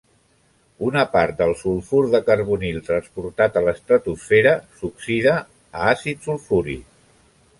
Una part del sulfur de carbonil transportat a l'estratosfera s'oxida a àcid sulfúric.